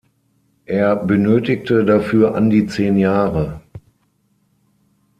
Er benötigte dafür an die zehn Jahre.